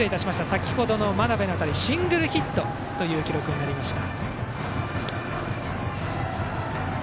先程の真鍋の当たりはシングルヒットという記録になりました。